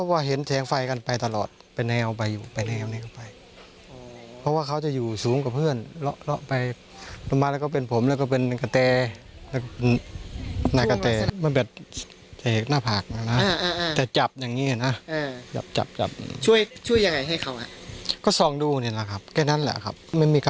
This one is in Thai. เดินช้าวนไปวนมาวนไปวนมาวนไปวนมาอย่างนี้